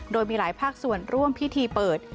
โดยมีหลายภาคส่วนร่วมพิธีเปิด